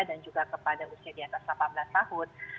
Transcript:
dan juga kepada usia di atas delapan belas tahun